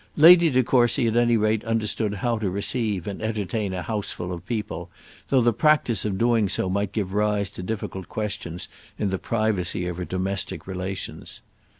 Lady De Courcy at any rate understood how to receive and entertain a house full of people, though the practice of doing so might give rise to difficult questions in the privacy of her domestic relations.